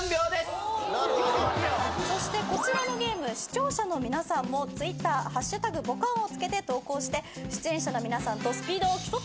そしてこちらのゲーム視聴者の皆さんもＴｗｉｔｔｅｒ＃ボカーンを付けて投稿して出演者の皆さんとスピードを競ってみてください。